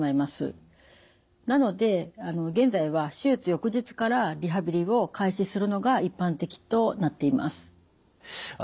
なので現在は手術翌日からリハビリを開始するのが一般的となっています。